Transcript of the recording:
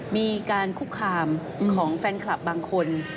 มีการคุกคามของแฟนคลับบางคน